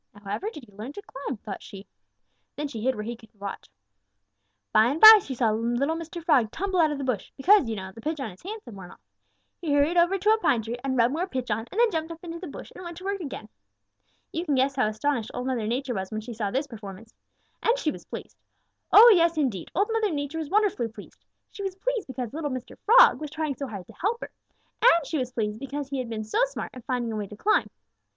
'Now however did he learn to climb?' thought she. Then she hid where she could watch. By and by she saw little Mr. Frog tumble out of the bush, because, you know, the pitch on his hands had worn off. He hurried over to a pine tree and rubbed more pitch on and then jumped up into the bush and went to work again. "You can guess how astonished Old Mother Nature was when she saw this performance. And she was pleased. Oh, yes, indeed, Old Mother Nature was wonderfully pleased. She was pleased because little Mr. Frog was trying so hard to help her, and she was pleased because he had been so smart in finding a way to climb.